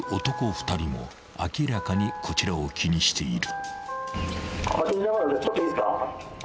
２人も明らかにこちらを気にしている］